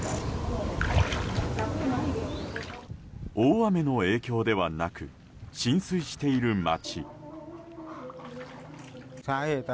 大雨の影響ではなく浸水している街。